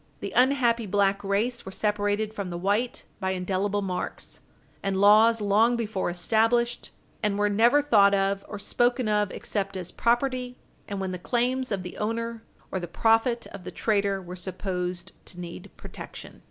The unhappy black race were separated from the white by indelible marks, and laws long before established, and were never thought of or spoken of except as property, and when the claims of the owner or the profit of the trader were supposed to need protection.